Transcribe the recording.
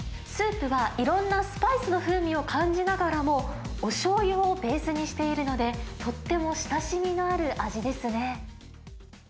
スープはいろんなスパイスの風味を感じながらも、おしょうゆをベースにしているので、とっても親しみのある味ですね。